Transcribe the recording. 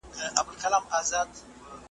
دا اختلاف د ادب طبیعي برخه ده.